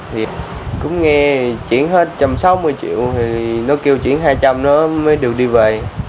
thì cũng nghe chuyển hết trăm sáu mươi triệu thì nó kêu chuyển hai trăm linh nó mới được đi về